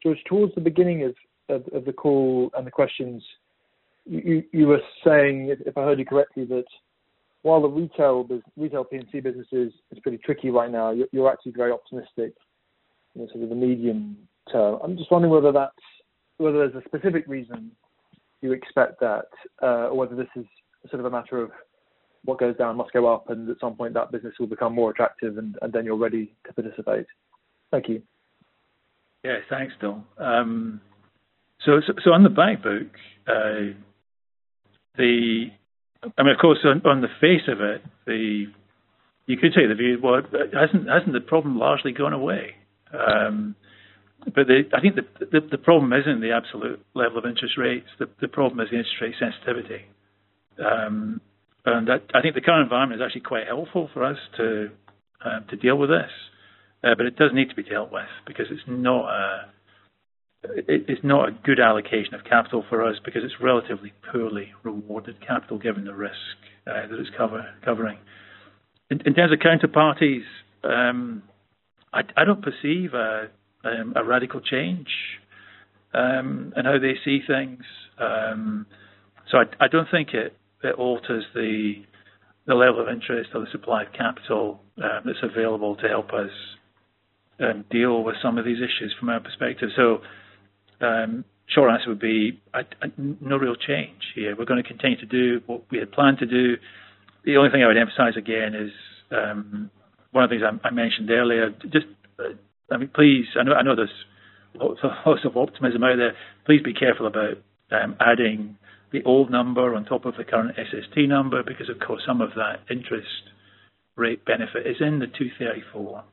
George, towards the beginning of the call and the questions, you were saying, if I heard you correctly, that while the retail P&C business is pretty tricky right now, you're actually very optimistic, you know, sort of the medium term. I'm just wondering whether that's whether there's a specific reason you expect that, or whether this is sort of a matter of what goes down must go up, and at some point, that business will become more attractive, and then you're ready to participate. Thank you. Yes. Thanks, Dom. On the back book, I mean, of course on the face of it, you could take the view, well, hasn't the problem largely gone away? I think the problem isn't the absolute level of interest rates. The problem is the interest rate sensitivity. That I think the current environment is actually quite helpful for us to deal with this. It does need to be dealt with because it's not a good allocation of capital for us because it's relatively poorly rewarded capital given the risk that it's covering. In terms of counterparties, I don't perceive a radical change in how they see things. I don't think it alters the level of interest or the supply of capital that's available to help us deal with some of these issues from our perspective. Short answer would be no real change here. We're gonna continue to do what we had planned to do. The only thing I would emphasize again is one of the things I mentioned earlier, just I mean, please. I know there's lots of optimism out there. Please be careful about adding the old number on top of the current SST number because of course, some of that interest rate benefit is in the 234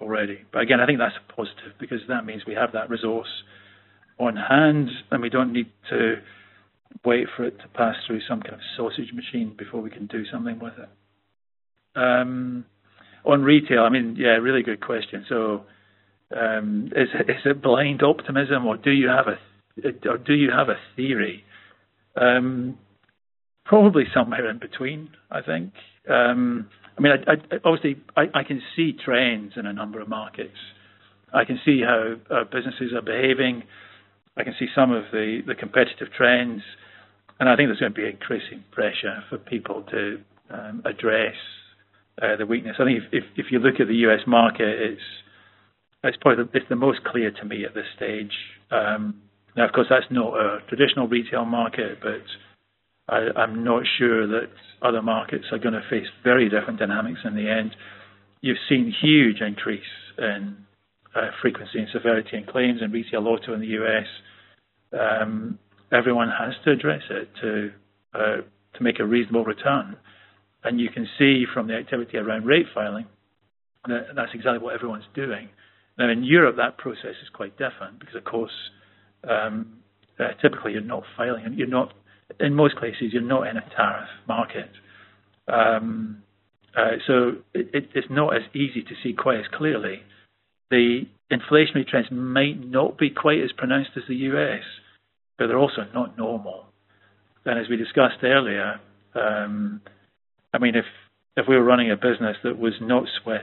already. Again, I think that's a positive because that means we have that resource on hand, and we don't need to wait for it to pass through some kind of sausage machine before we can do something with it. On retail, I mean, yeah, really good question. Is it blind optimism or do you have a theory? Probably somewhere in between, I think. I mean, I obviously can see trends in a number of markets. I can see how businesses are behaving. I can see some of the competitive trends, and I think there's gonna be increasing pressure for people to address the weakness. I think if you look at the U.S. market, it's probably the most clear to me at this stage. Now of course, that's not a traditional retail market, but I'm not sure that other markets are gonna face very different dynamics in the end. You've seen huge increase in frequency and severity in claims in retail auto in the US. Everyone has to address it to make a reasonable return. You can see from the activity around rate filing, that that's exactly what everyone's doing. Now in Europe, that process is quite different because of course, typically in most cases, you're not in a tariff market. It's not as easy to see quite as clearly. The inflationary trends may not be quite as pronounced as the US, but they're also not normal. As we discussed earlier, I mean, if we were running a business that was not Swiss,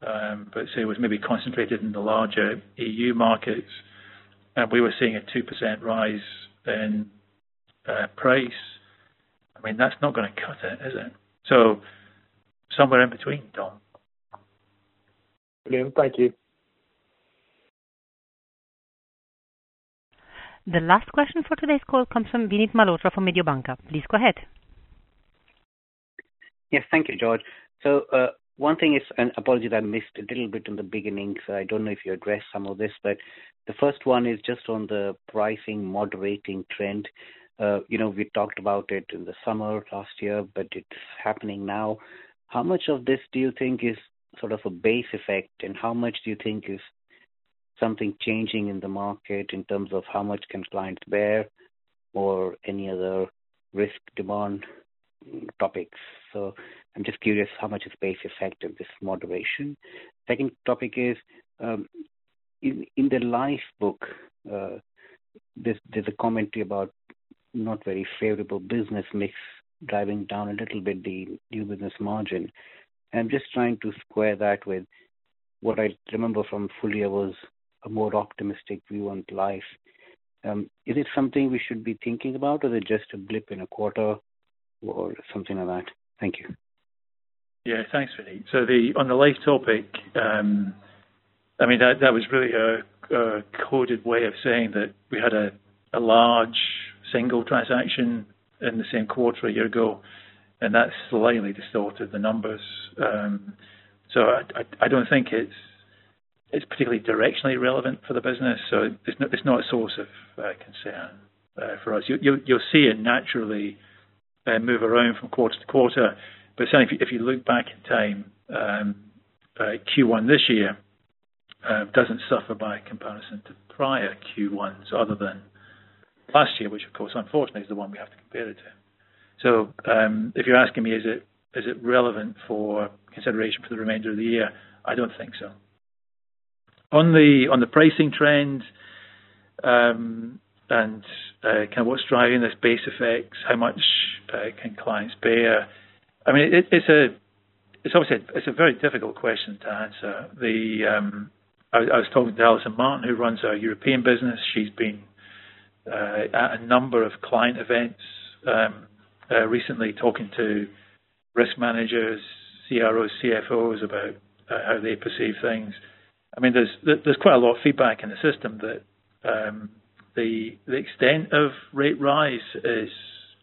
but say it was maybe concentrated in the larger EU markets, and we were seeing a 2% rise in price, I mean, that's not gonna cut it, is it? Somewhere in between, Dom. Brilliant. Thank you. The last question for today's call comes from Vinit Malhotra from Mediobanca. Please go ahead. Yes, thank you, George. One thing is, and apologies, I missed a little bit in the beginning, so I don't know if you addressed some of this. The first one is just on the pricing moderating trend. You know, we talked about it in the summer last year, but it's happening now. How much of this do you think is sort of a base effect, and how much do you think is something changing in the market in terms of how much can clients bear or any other risk demand topics? I'm just curious how much is base effect of this moderation. Second topic is, in the life book, there's a commentary about not very favorable business mix driving down a little bit the new business margin. I'm just trying to square that with what I remember from full year was a more optimistic view on life. Is it something we should be thinking about or is it just a blip in a quarter or something like that? Thank you. Yeah, thanks, Vinit. On the life topic, I mean, that was really a coded way of saying that we had a large single transaction in the same quarter a year ago, and that slightly distorted the numbers. I don't think it's particularly directionally relevant for the business, so it's not a source of concern for us. You'll see it naturally move around from quarter to quarter. If you look back in time, Q1 this year doesn't suffer by comparison to prior Q1's other than last year, which of course unfortunately is the one we have to compare it to. If you're asking me is it relevant for consideration for the remainder of the year? I don't think so. On the pricing trend and kind of what's driving this base effects, how much can clients bear? I mean, it's obviously a very difficult question to answer. I was talking to Alison Martin, who runs our European business. She's been at a number of client events recently talking to risk managers, CROs, CFOs about how they perceive things. I mean, there's quite a lot of feedback in the system that the extent of rate rise is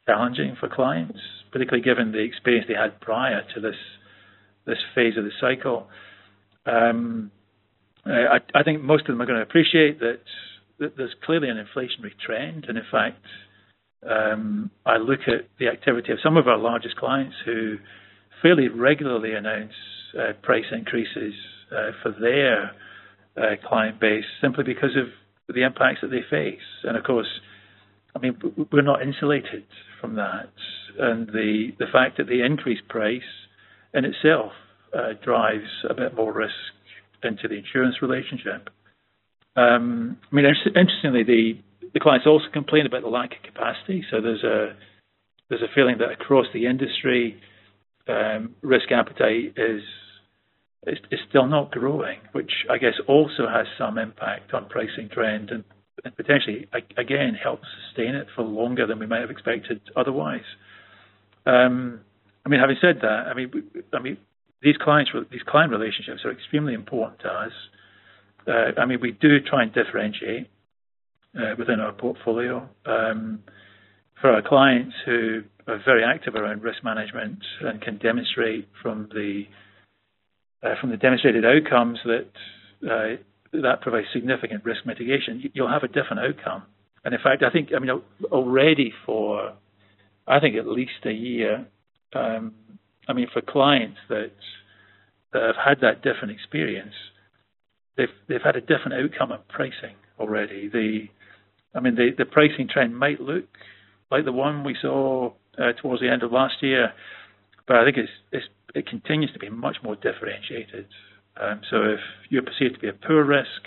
challenging for clients, particularly given the experience they had prior to this phase of the cycle. I think most of them are gonna appreciate that there's clearly an inflationary trend. In fact, I look at the activity of some of our largest clients who fairly regularly announce price increases for their client base simply because of the impacts that they face. Of course, I mean, we're not insulated from that. The fact that the increased price in itself drives a bit more risk into the insurance relationship. I mean, interestingly, the clients also complain about the lack of capacity, so there's a feeling that across the industry, risk appetite is still not growing, which I guess also has some impact on pricing trend and potentially again helps sustain it for longer than we might have expected otherwise. I mean, having said that, I mean, these client relationships are extremely important to us. I mean, we do try and differentiate within our portfolio for our clients who are very active around risk management and can demonstrate from the demonstrated outcomes that that provides significant risk mitigation, you'll have a different outcome. In fact, I think, I mean, already for, I think at least a year, I mean, for clients that have had that different experience, they've had a different outcome of pricing already. I mean, the pricing trend might look like the one we saw towards the end of last year, but I think it continues to be much more differentiated. If you're perceived to be a poor risk,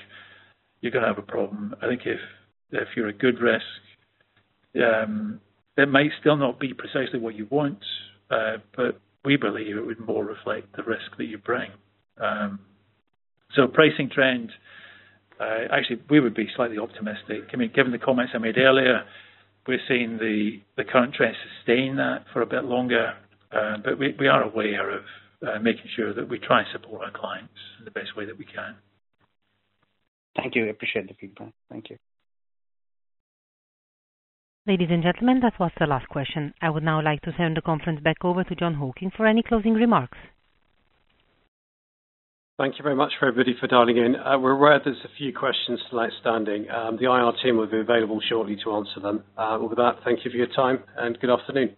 you're gonna have a problem. I think if you're a good risk, it might still not be precisely what you want, but we believe it would more reflect the risk that you bring. Pricing trend, actually we would be slightly optimistic. I mean, given the comments I made earlier, we're seeing the current trend sustain that for a bit longer. We are aware of making sure that we try and support our clients in the best way that we can. Thank you. I appreciate the feedback. Thank you. Ladies and gentlemen, that was the last question. I would now like to turn the conference back over to Jon Hocking for any closing remarks. Thank you very much for everybody for dialing in. We're aware there's a few questions outstanding. The IR team will be available shortly to answer them. With that, thank you for your time, and good afternoon.